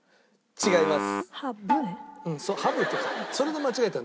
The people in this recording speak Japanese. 違います。